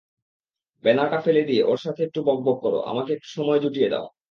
ব্যানারটা ফেলে দিয়ে ওর সাথে একটু বকবক করো, আমাকে একটু সময় জুটিয়ে দাও।